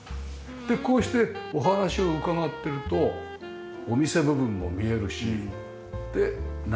でこうしてお話を伺ってるとお店部分も見えるしで中庭いいですね。